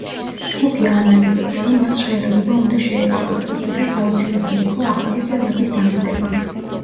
ჯგუფი აანალიზებდა, რომ მას ჟღერადობა უნდა შეეცვალა, რისთვისაც აუცილებელი იყო ახალი წევრების დამატება.